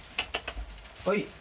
はい。